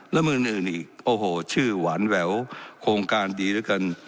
แล้วมืออื่นอีกโอ้โหชื่อหวานแหววโครงการดีด้วยกัน